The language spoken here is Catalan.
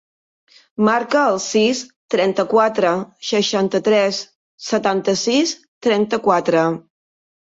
Marca el sis, trenta-quatre, seixanta-tres, setanta-sis, trenta-quatre.